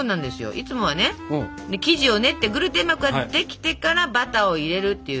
いつもはね生地を練ってグルテン膜ができてからバターを入れるっていう。